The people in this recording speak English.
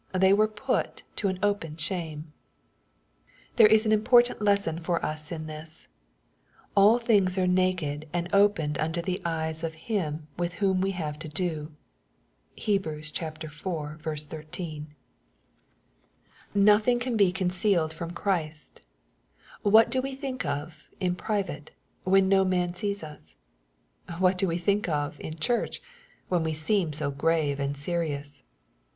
They were put to an open shame. There is an important lesson for us in this. "All things are naked and opened unto the eyes of Him with 84 EXPOSITORY THOUGHTS. whom we have to do/' (Heb. iv. 13.) Nothing can be concealed from Christ. What do we think of, in private, when no man sees us ? What do we think of, in church, when we seem so grave and serious